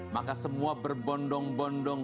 maka semua berbondong bondong